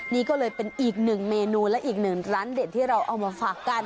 นี่ก็เลยเป็นอีกหนึ่งเมนูและอีกหนึ่งร้านเด็ดที่เราเอามาฝากกัน